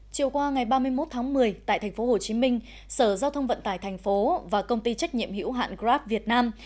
chiều qua ngày ba mươi một tháng một mươi tại tp hcm sở giao thông vận tải thành phố và công ty trách nhiệm hữu hạn grab việt nam